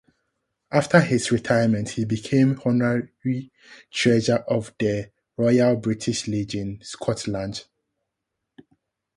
After his retirement he became honorary treasurer of the Royal British Legion Scotland.